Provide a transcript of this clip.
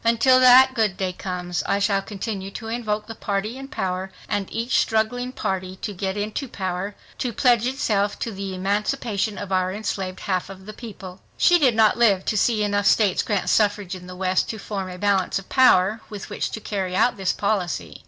. Until that good day comes, I shall continue to invoke the party in power, and each party struggling to get into power, to pledge itself to the emancipation of our enslaved half of the people ...." She did not live to see enough states grant suffrage in the West to form a balance of power with which to carry out this policy.